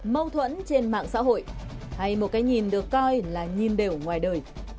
mâu thuẫn trên mạng xã hội hay một cái nhìn được coi là nhìn đều ngoài đời